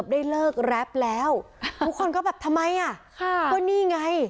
ได้เลิกแรปแล้วทุกคนก็แบบทำไมอ่ะค่ะก็นี่ไง